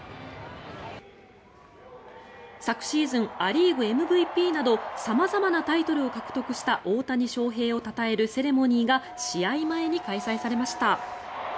昨シーズンア・リーグＭＶＰなど様々なタイトルを獲得した大谷翔平をたたえるセレモニーが試合前に開催されました。